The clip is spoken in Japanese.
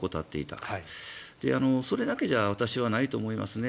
私はそれだけじゃないと思いますね。